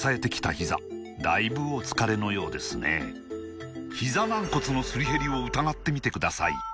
ひざ軟骨のすり減りを疑ってみてください